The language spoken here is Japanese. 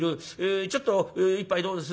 「ちょっと一杯どうです」